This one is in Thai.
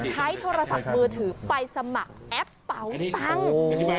ใช้โทรศัพท์มือถือไปสมัครแอปเป๋าตังค์